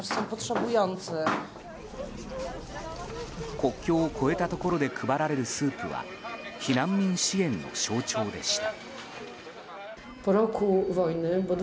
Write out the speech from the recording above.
国境を越えたところで配られるスープは避難民支援の象徴でした。